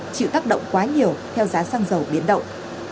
chịu tác động quá nhiều theo giá xăng dầu biến động